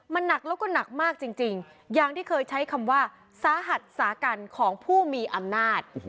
มันหนักแล้วก็หนักมากจริงอย่างที่เคยใช้คำว่าสาหัสสากันของผู้มีอำนาจ